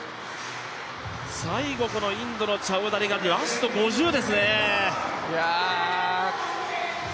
最後このインドのチャウダリがラスト５０ですね。